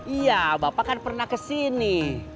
iya bapak kan pernah kesini